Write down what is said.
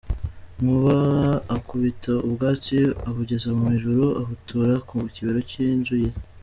Nkuba akubita ubwatsi abugeza mu ijuru, abutura ku kibero cy’inzu iwe.